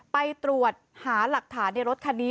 ไปตรวจหาหลักฐานในรถคันนี้